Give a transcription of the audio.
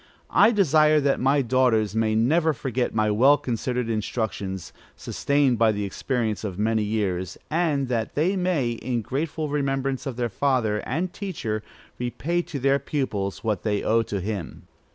I desire that my daughters may never forget my well considered instructions, sustained by the experience of many years; and that they may, in grateful remembrance of their father and teacher, repay to their pupils what they owe to him.